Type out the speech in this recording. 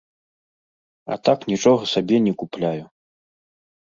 А так нічога сабе не купляю.